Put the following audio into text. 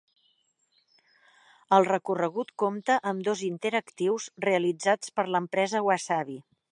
El recorregut compta amb dos interactius, realitzats per l'empresa Wasabi.